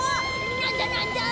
なんだなんだ！？